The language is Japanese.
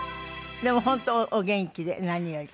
でも本当お元気で何より。